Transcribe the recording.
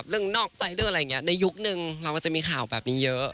นอกใจเรื่องอะไรอย่างนี้ในยุคนึงเราก็จะมีข่าวแบบนี้เยอะ